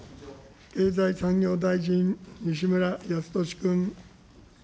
経済産業大臣、西村康稔君。